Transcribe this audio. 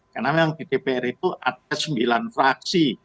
karena memang di dpr itu ada sembilan fraksi